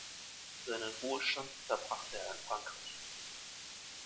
Seinen Ruhestand verbrachte er in Frankreich.